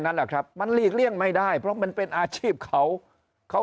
นั่นแหละครับมันหลีกเลี่ยงไม่ได้เพราะมันเป็นอาชีพเขาเขา